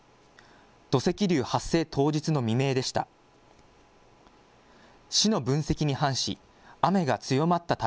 土石流発生当日の未明でした。